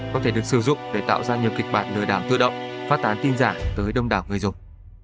có thể được sử dụng để tạo ra nhiều kịch bản lừa đảo tự động phát tán tin giả tới đông đảo người dùng